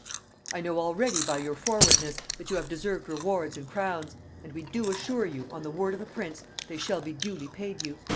"I know already by your forwardness, that you have deserved rewards and crowns; and we do assure you, on the word of a prince, they shall be duly paid you.